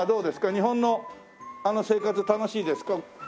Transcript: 日本の生活楽しいですか？